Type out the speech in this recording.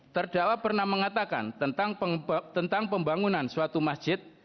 terdakwa pernah mengatakan tentang pembangunan suatu masjid